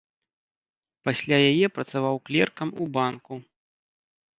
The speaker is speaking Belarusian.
Пасля яе працаваў клеркам у банку.